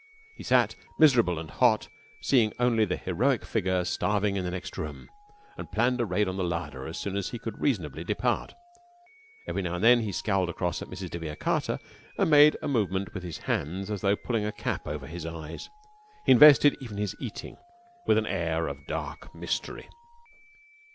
He sat, miserable and hot, seeing only the heroic figure starving in the next room, and planned a raid on the larder as soon as he could reasonably depart. Every now and then he scowled across at Mrs. de Vere Carter and made a movement with his hands as though pulling a cap over his eyes. He invested even his eating with an air of dark mystery.